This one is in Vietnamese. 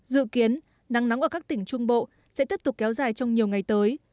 dự kiến nắng nóng ở các tỉnh trung bộ sẽ tiếp tục kéo dài trong nhiều ngày tới